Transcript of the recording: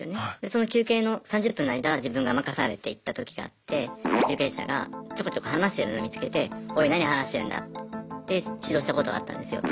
その休憩の３０分の間自分が任されて行ったときがあって受刑者がちょこちょこ話してるの見つけて「おい何話してるんだ」って指導したことがあったんですよ。